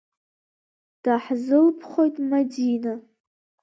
Даҳзылԥхоит, Мадина!